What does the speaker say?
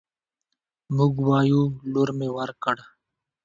موږ وايو: لور مې ورکړ